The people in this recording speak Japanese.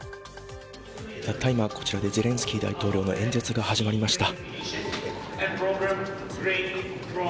たった今、こちらでゼレンスキー大統領の演説が始まりました。